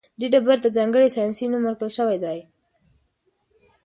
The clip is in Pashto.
دې ډبرې ته ځانګړی ساینسي نوم ورکړل شوی دی.